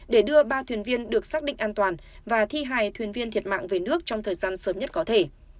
để đưa ba thuyền viên được xác định an toàn và thi hài thuyền viên thiệt mạng về nước trong thời gian sớm nhất có thể